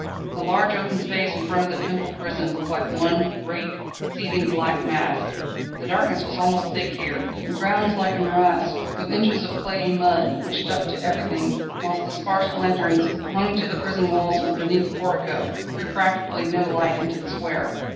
The large open space in front of the Temple Prison looked like one great, seething, black mass. The darkness was almost thick here, the ground like a morass, with inches of clayey mud, which stuck to everything, whilst the sparse lanterns, hung to the prison walls and beneath the portico, threw practically no light into the square.